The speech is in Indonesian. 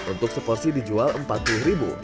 untuk seporsi dijual rp empat puluh